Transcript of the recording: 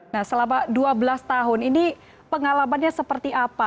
nah selama dua belas tahun ini pengalamannya seperti apa